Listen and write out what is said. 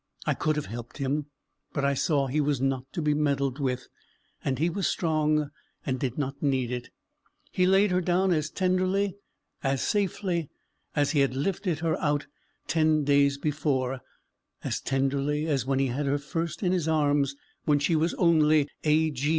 I could have helped him, but I saw he was not to be meddled with, and he was strong, and did not need it. He laid her down as tenderly, as safely, as he had lifted her out ten days before as tenderly as when he had her first in his arms when she was only "A.